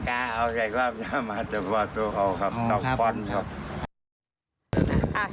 กล้าเอาใส่ความหน้ามาจะปลอดธุ์เขาครับ๒คนครับ